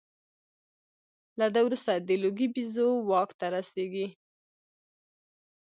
له ده وروسته د لوګي بیزو واک ته رسېږي.